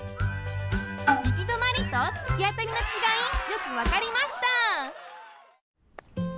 行き止まりとつきあたりのちがいよくわかりました